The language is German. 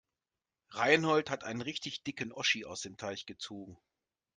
Reinhold hat einen richtig dicken Oschi aus dem Teich gezogen.